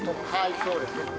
◆はい、そうです。